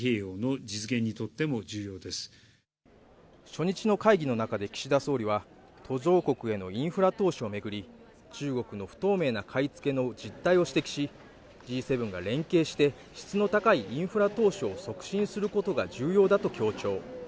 初日の会議の中で岸田総理は、途上国へのインフラ投資を巡り中国の不透明な買い付けの実態を指摘し、Ｇ７が連携して質の高いインフラ投資を促進することが重要だと強調。